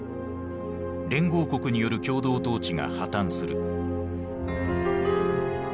連合国による共同統治が破綻する。